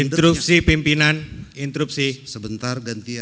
f pertimbangan kerja akademi